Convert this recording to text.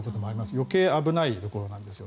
余計危ないところなんです。